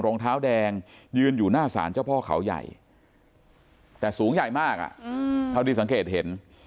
รองเท้าแดงยืนอยู่หน้าศาลเจ้าพ่อเขาใหญ่แต่สูงใหญ่มากเท่าที่สังเกตเห็น